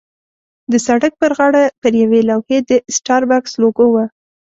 د سړک پر غاړه پر یوې لوحې د سټاربکس لوګو وه.